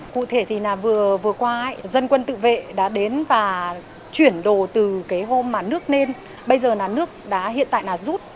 cụ thể thì vừa qua dân quân tự vệ đã đến và chuyển đồ từ hôm mà nước lên bây giờ là nước hiện tại rút